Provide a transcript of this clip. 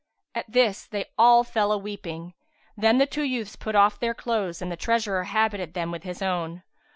At this, they all fell a weeping; then the two youths put off their clothes and the treasurer habited them with his own.